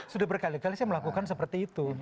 sudah berkali kali saya melakukan seperti itu